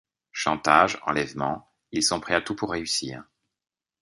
Chantage, enlèvement… ils sont prêts à tout pour réussir.